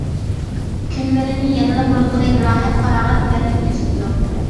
كۈنلىرىنى يەنىلا بۇرۇنقىدەك راھەت-پاراغەت بىلەن ئۆتكۈزۈپتۇ.